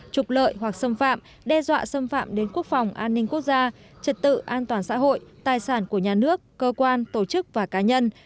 trục lợi hoặc xâm phạm đe dọa xâm phạm đến quốc phòng an ninh quốc gia trật tự an toàn xã hội tài sản của nhà nước cơ quan tổ chức và cá nhân